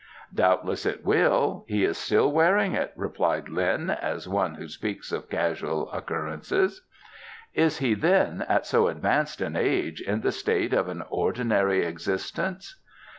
"Doubtless it will. He is still wearing it," replied Lin, as one who speaks of casual occurrences. "Is he, then, at so advanced an age, in the state of an ordinary existence?"